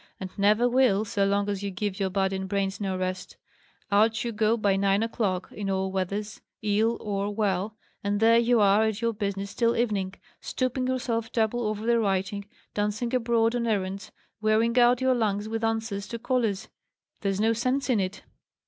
"And never will, so long as you give your body and brains no rest. Out you go by nine o'clock, in all weathers, ill or well, and there you are at your business till evening; stooping yourself double over the writing, dancing abroad on errands, wearing out your lungs with answers to callers! There's no sense in it."